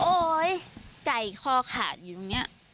โอ๊ยไก่คลอขาดอยู่อยู่หนึ่งนี้